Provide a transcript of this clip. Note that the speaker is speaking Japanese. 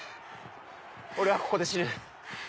俺はここで死ぬ。